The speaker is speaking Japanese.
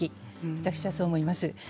私はそう思います。